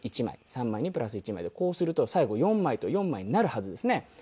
３枚にプラス１枚でこうすると最後４枚と４枚になるはずですね。